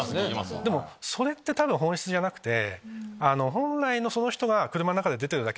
でもそれって多分本質じゃなくて。